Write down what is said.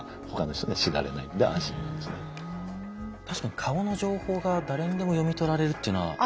確かに顔の情報が誰にでも読み取られるっていうのは。